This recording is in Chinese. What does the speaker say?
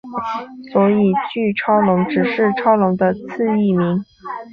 所以巨超龙只是超龙的次异名。